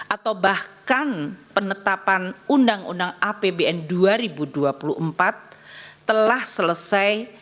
atau bahkan penetapan undang undang apbn dua ribu dua puluh empat telah selesai